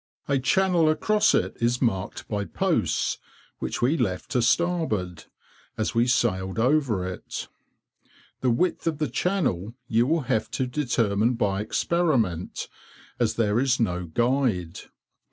A channel across it is marked by posts, which we left to starboard, as we sailed over it. The width of the channel you will have to determine by experiment, as there is no guide.